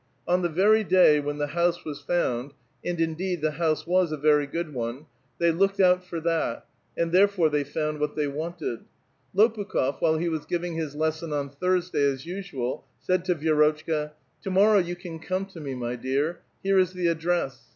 On the very day when the lunise was found (and, indeed, the house was a very gooil one ; they looked out for that, and therefore they fouud what ihey wanted), Lopukh6f, while he was giving bis lesson on Thursclay, as usual, said to Vi6rotchka :—^^ To morrow you can come to me, my dear; here is the address.